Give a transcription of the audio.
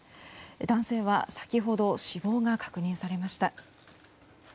男性は、先ほど死亡が確認されました。